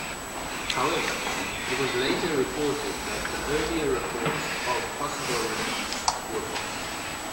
However, it was later reported that the earlier reports of possible release were false.